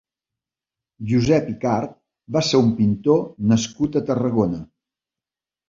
Josep Icart va ser un pintor nascut a Tarragona.